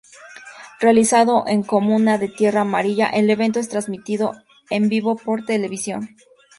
Realizado en comuna de Tierra Amarilla, el evento es transmitido en vivo por televisión.